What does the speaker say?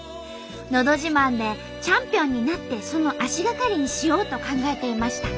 「のど自慢」でチャンピオンになってその足がかりにしようと考えていました。